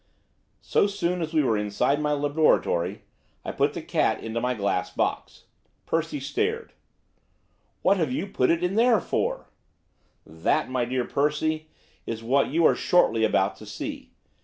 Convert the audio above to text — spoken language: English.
So soon as we were inside my laboratory, I put the cat into my glass box. Percy stared. 'What have you put it there for?' 'That, my dear Percy, is what you are shortly about to see.